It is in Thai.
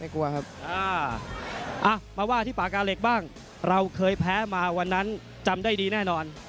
กลัวครับมาว่าที่ปากกาเหล็กบ้างเราเคยแพ้มาวันนั้นจำได้ดีแน่นอน